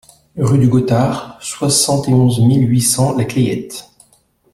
Rue du Gothard, soixante et onze mille huit cents La Clayette